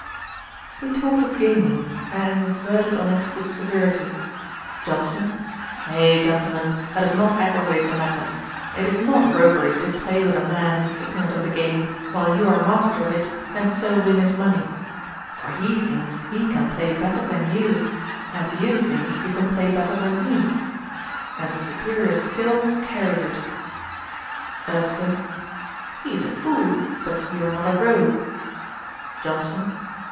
We talked of gaming, and animadverted on it with severity. JOHNSON. 'Nay, gentlemen, let us not aggravate the matter. It is not roguery to play with a man who is ignorant of the game, while you are master of it, and so win his money; for he thinks he can play better than you, as you think you can play better than he; and the superiour skill carries it.' ERSKINE. 'He is a fool, but you are not a rogue.' JOHNSON.